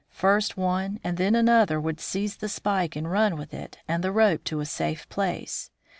First one, and then another, would seize the spike and run with it and the rope to a safe place.